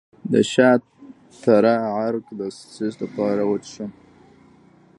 د شاه تره عرق د څه لپاره وڅښم؟